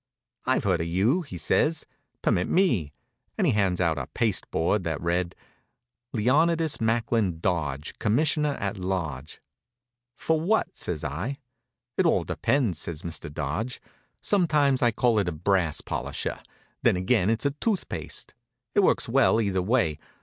"I've heard of you," he says. "Permit me," and he hands out a pasteboard that read: LEONIDAS MACKLIN DODGE Commissioner at Large "For what?" says I. "It all depends," says Mr. Dodge. "Sometimes I call it a brass polisher, then again it's a tooth paste. It works well either way.